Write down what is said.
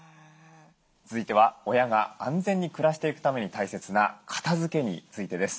続いては親が安全に暮らしていくために大切な片づけについてです。